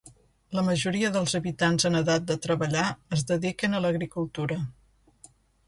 La majoria dels habitants en edat de treballar es dediquen a l'agricultura.